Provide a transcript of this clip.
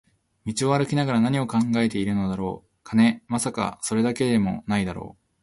道を歩きながら何を考えているのだろう、金？まさか、それだけでも無いだろう